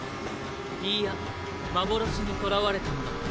いいや幻にとらわれたのだ。